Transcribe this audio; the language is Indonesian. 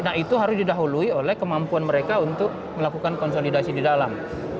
nah itu harus didahului oleh kemampuan mereka untuk melakukan konsolidasi di dalam